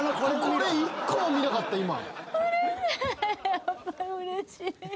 これ１個も見なかった今。